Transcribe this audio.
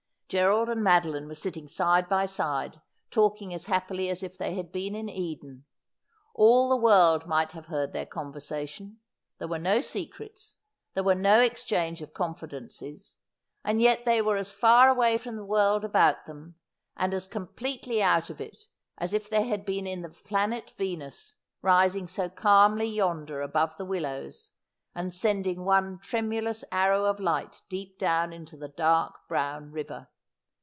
Gerald and Madoline were sitting side by side, talking as happily as if they had been in Eden. All the world might have heard their conversation — there were no secrets, there was no exchange of confidences — and yet they were as far away from the world about them, and as completely out of it, as if they had been in the planet Venus, rising so calmly yonder above the willows, and sending one tremulous arrow of light deep down into the dark brown river.